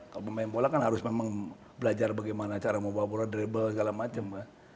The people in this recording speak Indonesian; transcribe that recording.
kalau pemain bola kan harus memang belajar bagaimana cara membawa bola drable segala macam kan